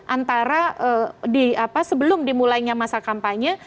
antara di apa sebelum dimulainya masa kampanye